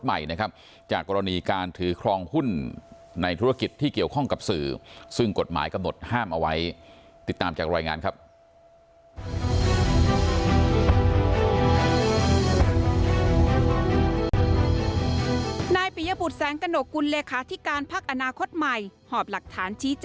ใหม่นะครับจะกรณีการถือครองหุ้นในธุรกิจที่เกี่ยวข้องกับสื่อซึ่งกฎหมายก็ห้าม